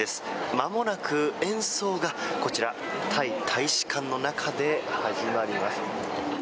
まもなく演奏がこちらタイ大使館の中で始まります。